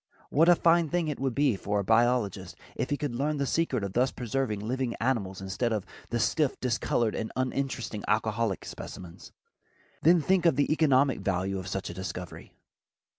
What a fine thing it would be for the biologist if he could learn the secret of thus preserving living animals instead of the stiff, discolored and uninteresting alcoholic specimens. Then think of the economic value of such a discovery.